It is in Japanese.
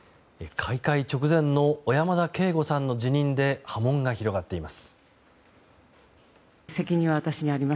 開会直前の小山田圭吾さんの辞任で波紋が広がっています。